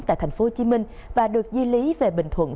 tại tp hcm và được di lý về bình thuận